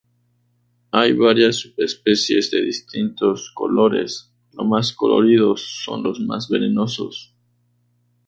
Hay varias subespecies de distintos colores. Los más coloridos son los más venenosos.